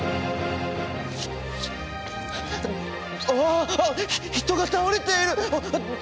あっ人が倒れている！